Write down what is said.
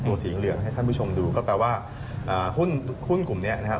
สีเหลืองให้ท่านผู้ชมดูก็แปลว่าหุ้นหุ้นกลุ่มนี้นะครับ